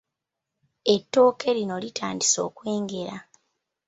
Ettooke lino litandise okwengera.